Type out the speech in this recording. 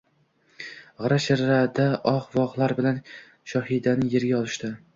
G‘ira-shirada oh-vohlar bilan Shohidani yerga olishdi